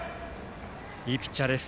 いいピッチャーです